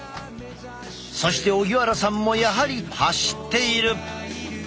そして荻原さんもやはり走っている。